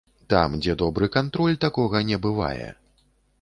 Там, дзе добры кантроль, такога не бывае.